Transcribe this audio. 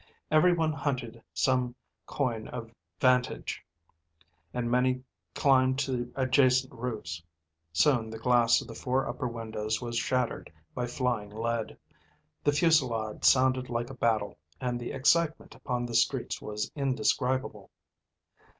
Every one hunted some coign of vantage, and many climbed to adjacent roofs. Soon the glass of the four upper windows was shattered by flying lead. The fusillade sounded like a battle, and the excitement upon the streets was indescribable.